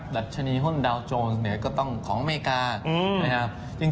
ดัชนีหุ้นดาวโจรเนี่ยก็ต้องของอเมริกานะครับ